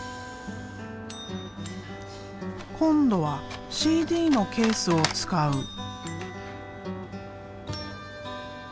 今度はＣＤのケースを使う。